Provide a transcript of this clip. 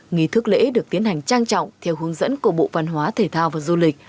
nghi thức lễ được tiến hành trang trọng theo hướng dẫn của bộ văn hóa thể thao và du lịch